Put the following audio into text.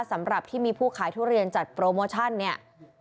สำหรับที่มีผู้ขายทุเรียนจัดโปรโมชั่นเนี่ย